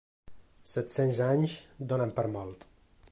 Set-cents anys donen per molt.